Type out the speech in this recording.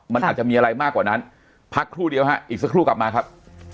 มันอาจจะมีอะไรมากกว่านั้นพักครู่เดียวฮะอีกสักครู่กลับมาครับ